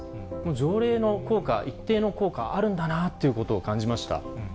条例の効果、一定の効果、あるんだなということを感じました。